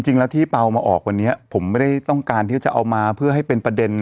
จริงแล้วที่เปล่ามาออกวันนี้ผมไม่ได้ต้องการที่จะเอามาเพื่อให้เป็นประเด็น